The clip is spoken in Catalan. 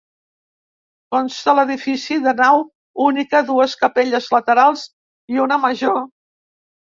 Consta l'edifici de nau única, dues capelles laterals i una major.